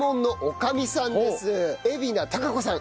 海老名孝子さん